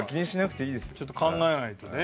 ちょっと考えないとね。